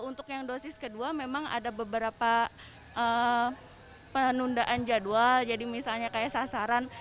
untuk yang dosis kedua memang ada beberapa penundaan jadwal jadi misalnya kayak sasaran